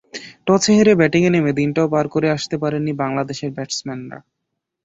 টসে হেরে ব্যাটিংয়ে নেমে দিনটাও পার করে আসতে পারেননি বাংলাদেশের ব্যাটসম্যানরা।